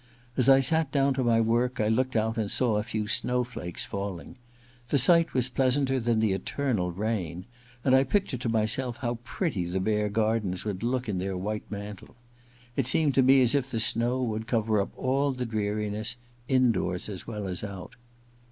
As I sat down to my work I looked out and saw a few snow flakes falling. The sight was pleasanter than the eternal rain, and I pictured to myself how pretty the bare gardens would look in their white mantle. It seemed to me as if the snow would cover up all the dreariness, indoors as well as out.